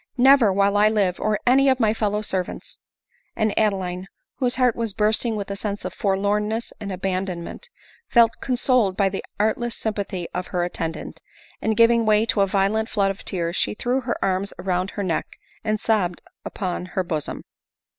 " Never while I live, or any of my fellow servants/' And Adeline, whose heart was bursting with a sense of forlorn ness and abandonment, felt consoled by the artless sympathy of her attendant ; and, giving way to a violent flood of tears, she threw her arms round her neck, and sobbed upon her bosom.